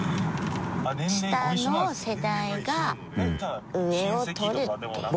下の世代が上を取るっていう。